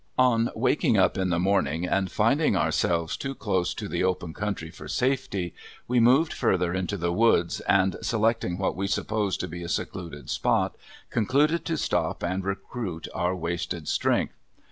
On waking up in the morning and finding ourselves too close to the open country for safety, we moved further into the woods and selecting what we supposed to be a secluded spot concluded to stop and recruit our wasted strength.